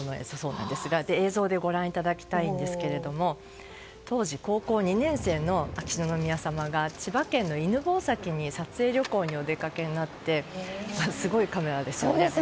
映像でご覧いただきたいですが当時、高校２年生の秋篠宮さまが千葉県の犬吠埼に写真撮影にお出かけになってすごいカメラでしたね。